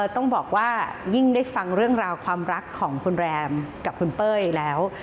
ต้องบอกว่ายิ่งได้ฟังเรื่องราวความรักของคุณแรมกับคุณเป้ยแล้ว